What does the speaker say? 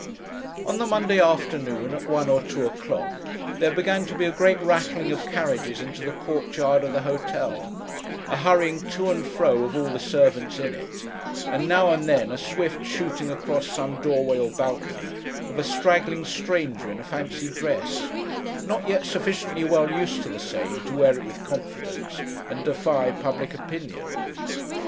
On the Monday afternoon at one or two o'clock, there began to be a great rattling of carriages into the court yard of the hotel; a hurrying to and fro of all the servants in it; and, now and then, a swift shooting across some doorway or balcony, of a straggling stranger in a fancy dress: not yet sufficiently well used to the same, to wear it with confidence, and defy public opinion.